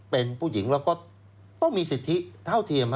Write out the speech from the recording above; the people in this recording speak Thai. เป็นผู้หญิงแล้วก็ต้องมีสิทธิเท่าเทียม